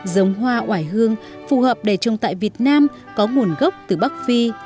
giống hoa quả hương phù hợp để trông tại việt nam có nguồn gốc từ bắc phi